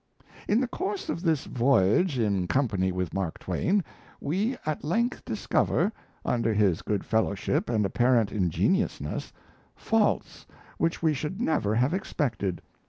"In the course of this voyage in company with Mark Twain, we at length discover, under his good fellowship and apparent ingenuousness, faults which we should never have expected.